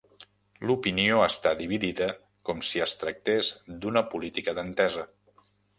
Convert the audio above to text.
L'opinió està dividida com si es tractés d'una política d'entesa.